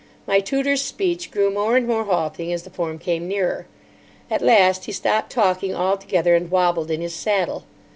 My tutor's speech grew more and more halting as the form came nearer. At last he stopped talking altogether, and wobbled in his saddle.